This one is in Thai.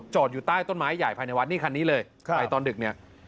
อยู่ใต้ต้นไม้ใหญ่ภายในวัดนี่คันนี้เลยไปตอนดึกเนี่ย